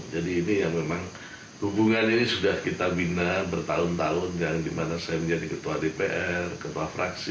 jadi ini yang memang hubungan ini sudah kita bina bertahun tahun yang dimana saya menjadi ketua dpr ketua fraksi